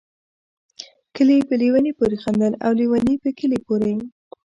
کلي په ليوني پوري خندل ، او ليوني په کلي پوري